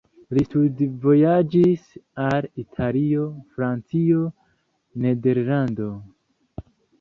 Li studvojaĝis al Italio, Francio, Nederlando.